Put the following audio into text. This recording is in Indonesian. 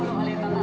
dan pasal itu tata